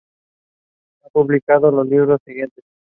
Ha publicado los libros siguientes